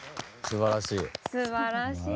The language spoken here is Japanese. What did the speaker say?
すばらしい。